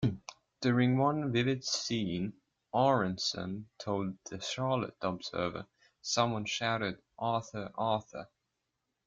During one vivid scene, Aronson told "The Charlotte Observer", someone shouted 'Author, Author!